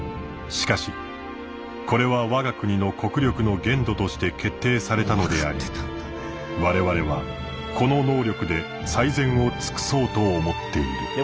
しかしこれは我が国の国力の限度として決定されたのであり我々はこの能力で最善を尽そうと思っている」。